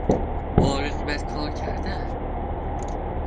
با رغبت کار کردن